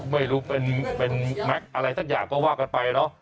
ไม่รู้เป็นแม็กซ์อะไรสักอย่างก็ว่ากันไปเนอะ